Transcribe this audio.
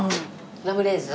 ラムレーズン？